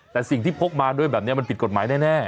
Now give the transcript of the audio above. แต่สิ่งที่พกมาด้วยแบบนี้มันผิดกฎหมายแน่